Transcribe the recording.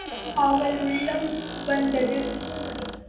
அவள் உள்ளம் உவந்தது.